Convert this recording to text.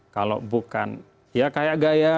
kalau bukan ya kayak gaya